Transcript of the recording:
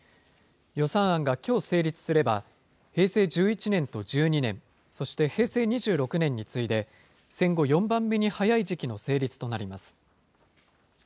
予算案がきょう成立すれば、平成１１年と１２年、そして平成２６年に次いで、戦後４番目に早い時期の成立となります。